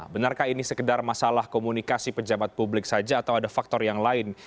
benarkah ini sekedar masalah komunikasi pejabat publik saja atau ada faktor yang lain